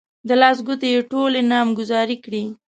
د لاس ګوتې يې ټولې نامګذاري کړې.